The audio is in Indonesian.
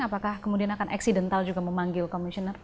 apakah kemudian akan eksidental juga memanggil komisioner